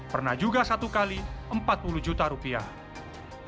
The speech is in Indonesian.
pernah juga satu x empat puluh juta rupiah